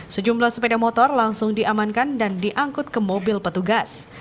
sejumlah sepeda motor langsung diamankan dan diangkut ke mobil petugas